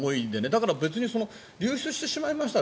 だから、別に流出してしまいました。